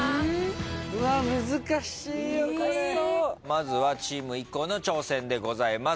まずはチームＩＫＫＯの挑戦でございます。